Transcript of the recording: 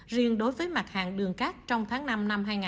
riêng đối với mặt hàng đường cát trong tháng năm năm hai nghìn hai mươi